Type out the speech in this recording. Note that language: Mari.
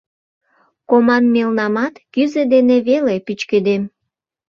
Команмелнамат кӱзӧ дене веле пӱчкедем.